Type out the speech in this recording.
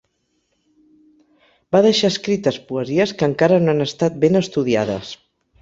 Va deixar escrites poesies que encara no han estat ben estudiades.